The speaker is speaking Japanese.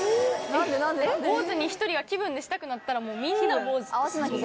坊主に１人が気分でしたくなったらみんなが坊主ってこと？